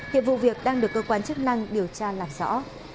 hiện vụ việc đang được cơ quan chức năng điều tra làm rõ